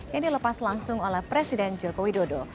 yang dilepas langsung oleh presiden joko widodo